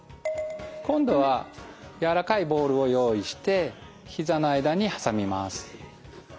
今度はやわらかいボールを用意してひざの間にはさみます。